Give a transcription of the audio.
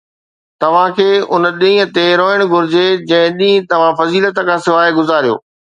توهان کي ان ڏينهن تي روئڻ گهرجي جنهن ڏينهن توهان فضيلت کان سواءِ گذاريو